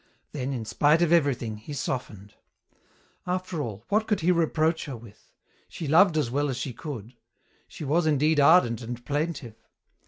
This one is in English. Then, in spite of everything, he softened. After all, what could he reproach her with? She loved as well as she could. She was, indeed, ardent and plaintive.